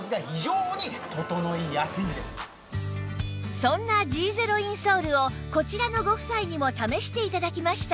そんな Ｇ ゼロインソールをこちらのご夫妻にも試して頂きました